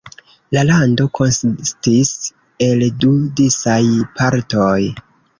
La lando konsistis el du disaj partoj.